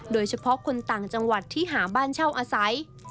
โดยเฉพาะคนต่างจังหวัดที่หาบ้านเช่าอาศัย